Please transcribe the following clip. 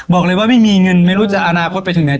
บอกเลยว่าไม่มีเงินไม่รู้จะอนาคตไปถึงไหน